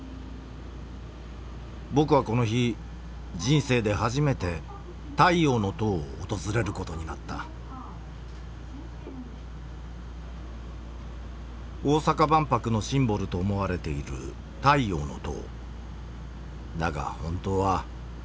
僕はこの日人生で初めて太陽の塔を訪れることになった大阪万博のシンボルと思われている太陽の塔。